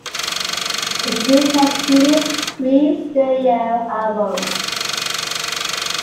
The group has released three studio albums.